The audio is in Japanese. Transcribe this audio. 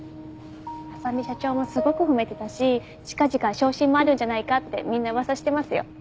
浅海社長もすごく褒めてたし近々昇進もあるんじゃないかってみんなウワサしてますよ。